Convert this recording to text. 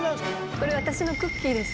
これ、私のクッキーです。